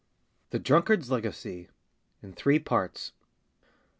THE DRUNKARD'S LEGACY. IN THREE PARTS.